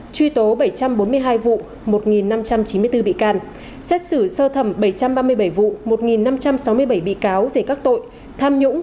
truy tố bảy trăm bốn mươi hai vụ một năm trăm chín mươi bốn bị can xét xử sơ thẩm bảy trăm ba mươi bảy vụ một năm trăm sáu mươi bảy bị cáo về các tội tham nhũng